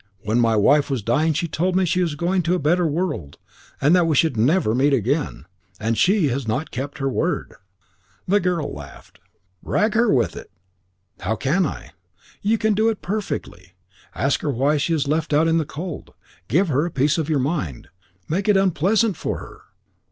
When my wife was dying she told me she was going to a better world, and that we should never meet again. And she has not kept her word." The girl laughed. "Rag her with it." "How can I?" "You can do it perfectly. Ask her why she is left out in the cold. Give her a piece of your mind. Make it unpleasant for her.